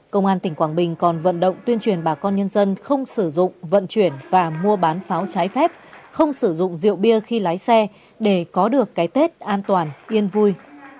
công an tỉnh quảng bình còn vận động tuyên truyền bà con nhân dân không sử dụng vận chuyển và mua bán pháo trái phép không sử dụng rượu bia khi lái xe để có được cái tết an toàn yên vui